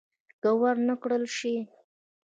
که ور نه کړل شي.